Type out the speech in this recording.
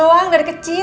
ibu sama bapak becengek